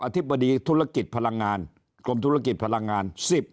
๙อธิบดีกรมธุรกิจพลังงาน